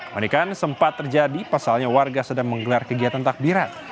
panikan sempat terjadi pasalnya warga sedang menggelar kegiatan takbiran